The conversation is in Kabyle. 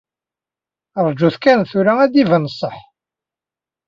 Rjut kan tura ad d-ibin ṣṣeḥ!